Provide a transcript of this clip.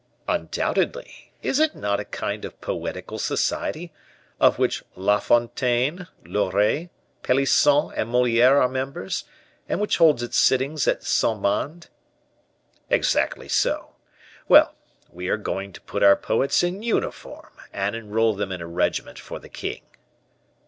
"Undoubtedly. Is it not a kind of poetical society, of which La Fontaine, Loret, Pelisson, and Moliere are members, and which holds its sittings at Saint Mande?" "Exactly so. Well, we are going to put our poets in uniform, and enroll them in a regiment for the king."